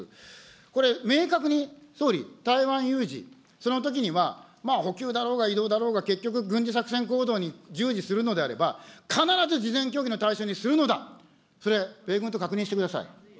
これ、明確に、総理、台湾有事、そのときには補給だろうが、移動だろうが、結局軍事作戦行動に従事するのであれば、必ず事前協議の対象にするのだ、それ、米軍と確認してください。